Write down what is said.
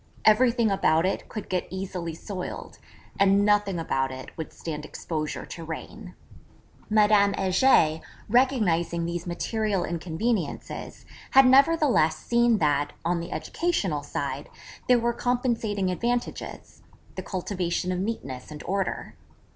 Everything about it could get easily soiled; and nothing about it would stand exposure to rain. Madame Heger, recognising these material inconveniences, had nevertheless seen that, on the educational side, there were compensating advantages the cultivation of neatness and order.